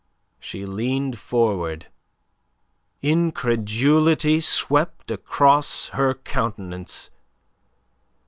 She leaned forward, incredulity swept across her countenance.